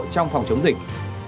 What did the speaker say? trong phòng chống dịch